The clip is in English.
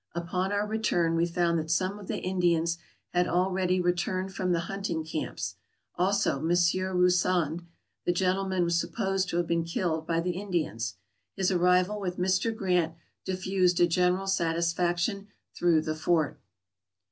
Upon our re turn we found that some of the Indians had already returned from the hunting camps; also Monsieur Roussand, the gen tleman supposed to have been killed by the Indians. His arrival with Mr. Grant diffused a general satisfaction through the fort.